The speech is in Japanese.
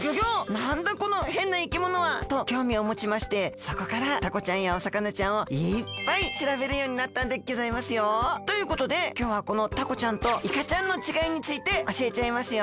なんだこのへんないきものは！？ときょうみをもちましてそこからタコちゃんやお魚ちゃんをいっぱいしらべるようになったんでギョざいますよ。ということできょうはこのタコちゃんとイカちゃんのちがいについておしえちゃいますよ！